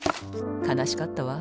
かなしかったわ。